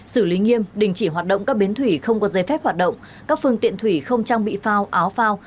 xử lý nghiêm đình chỉ hoạt động các bến thủy không có dây phép hoạt động các phương tiện thủy không trang bị phao áo phao